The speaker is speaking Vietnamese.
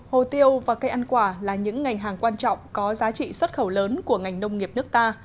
hồ tiêu và cây ăn quả là những ngành hàng quan trọng có giá trị xuất khẩu lớn của ngành nông nghiệp nước ta